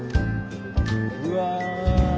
うわ。